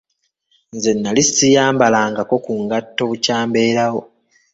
Nze nali siyambalangako ku ngatto bukya mbeerawo.